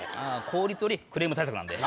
効率よりクレーム対策なんで。